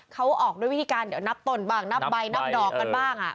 เขาออกด้วยวิธีการเดี๋ยวนับต้นบ้างนับใบนับดอกกันบ้าง